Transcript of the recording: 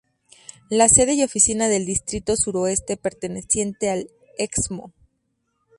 La sede y oficina del Distrito Suroeste perteneciente al Excmo.